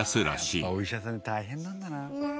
やっぱお医者さんって大変なんだな。